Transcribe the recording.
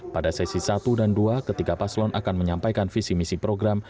pada sesi satu dan dua ketiga paslon akan menyampaikan visi misi program